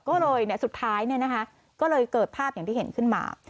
ก็เลยสุดท้ายก็เลยเกิดภาพอย่างที่เห็นขึ้นมา